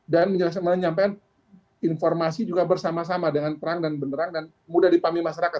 dan menyampaikan informasi juga bersama sama dengan terang dan benderang dan mudah dipahami masyarakat